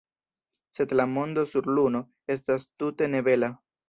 Sed la mondo sur luno estas tute ne bela.